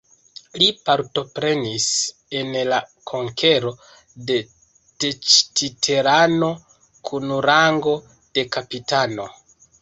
Li partoprenis en la konkero de Tenoĉtitlano kun rango de kapitano.